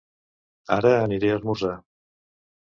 Ara aniré a esmorzar.